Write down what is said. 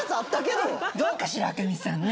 どうかしら明美さんね